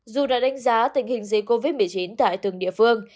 dù đã đánh giá tình hình dịch covid một mươi chín tại từng địa phương